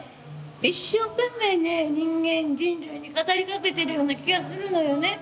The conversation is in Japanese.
一生懸命ね人間人類に語りかけてるような気がするのよね。